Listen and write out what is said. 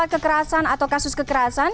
enam puluh empat kekerasan atau kasus kekerasan